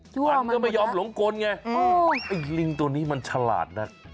ยั่วมันหมดแล้วอันก็ไม่ยอมหลงกลไงไอ้ลิงตัวนี้มันฉลาดนะ